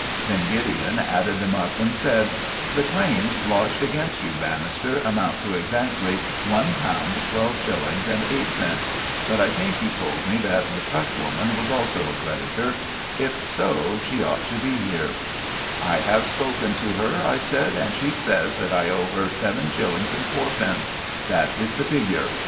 Then Gideon added them up and said— "The claims lodged against you, Bannister, amount to exactly one pound twelve shillings and eightpence; but I think you told me that the tuck woman was also a creditor. If so, she ought to be here." [Illustration: "THE TOTAL LIABILITIES ARE EXACTLY TWO POUNDS," SAID GIDEON.] "I have spoken to her," I said, "and she says that I owe her seven shillings and fourpence. That is the figure.